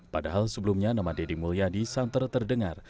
padahal sebelumnya nama deddy mulyadi santer terdengar